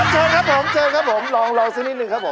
เจ็บครับผมเจอครับผมลองซินิดหนึ่งครับผม